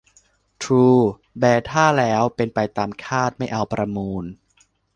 ทรูแบท่าแล้วเป็นไปตามคาดไม่เอาประมูล